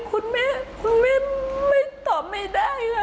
คุณแม่คุณแม่ไม่ตอบไม่ได้